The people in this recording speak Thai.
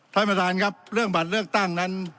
ท่านประธานครับเรื่องบัตรเลือกตั้งนั้น